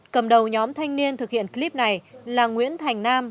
cầm đầu nhóm thanh niên thực hiện clip này là nguyễn thành nam